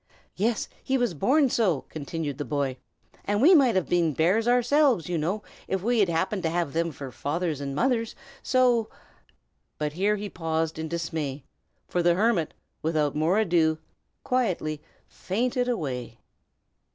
"Yes, he was born so!" continued the boy. "And we might have been bears ourselves, you know, if we had happened to have them for fathers and mothers; so " But here he paused in dismay, for the hermit, without more ado, quietly fainted away.